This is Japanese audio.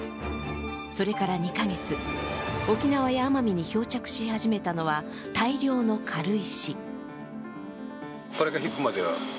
それから２カ月、沖縄や奄美に漂着し始めたのは大量の軽石。